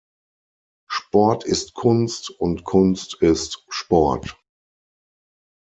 Sport ist Kunst, und Kunst ist Sport.